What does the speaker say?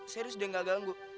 serius deh gak ganggu